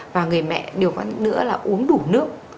và người mẹ uống đủ nước